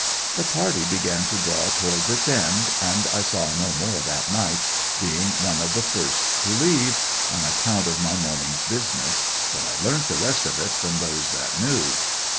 The party began to draw towards its end, and I saw no more that night, being one of the first to leave, on account of my morning's business. But I learnt the rest of it from those that knew.